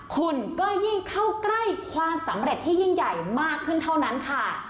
คุณก็ยิ่งเข้าใกล้ความสำเร็จที่ยิ่งใหญ่มากขึ้นเท่านั้นค่ะ